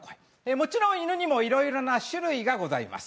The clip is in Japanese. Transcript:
もちろん犬にもいろんな種類がございます。